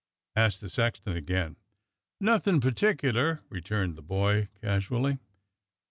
asked the sexton again. "Nothin' particular," returned the boy casually.